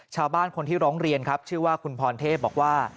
ชาวบ้านคนที่ร้องเรียนครับชื่อว่าคุณพรเทพบอกว่า